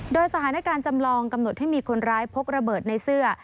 โดยสถานการณ์จำลองกำหนดให้มีคนร้ายพกระเบิดในเสื้อ